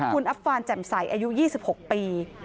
คุณอัฟฟานแจ่มใสอายุ๒๖ปี